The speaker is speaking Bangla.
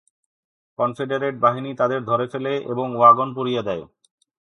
কনফেডারেট বাহিনী তাদের ধরে ফেলে এবং ওয়াগন পুড়িয়ে দেয়।